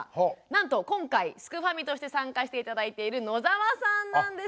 なんと今回すくファミとして参加して頂いている野澤さんなんです。